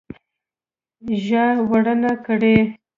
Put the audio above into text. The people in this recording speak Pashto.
ژای ورنه کړي.